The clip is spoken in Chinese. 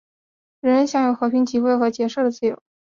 人人有权享有和平集会和结社的自由。